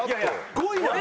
５位なんで。